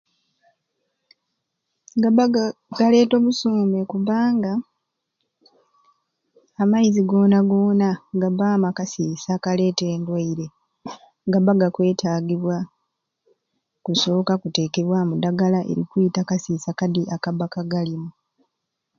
Gabba ga galeeta obusuume kubbanga amaizi goona goona gabbaamu akasiisa akaleeta endwaire gabba gakwetagibwa kusooka kuteekebwamu ddagala eririna okwita akasiisa kadi akabba kagalimu.